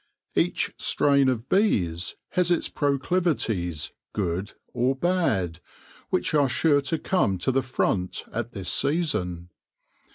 Each strain of bees has its proclivities, good or bad, which are sure to come to the front at this season.